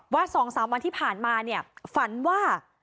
ว่าสองสามวันที่ผ่านมาเนี่ยฝันว่า